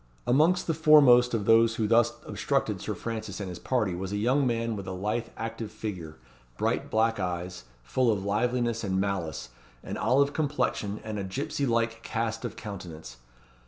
Amongst the foremost of those who thus obstructed Sir Francis and his party was a young man with a lithe active figure, bright black eyes, full of liveliness and malice, an olive complexion, and a gipsy like cast of countenance.